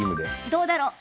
どうだろう？